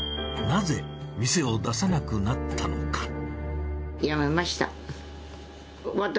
なぜ店を出さなくなったのか？